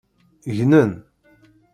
Gnen.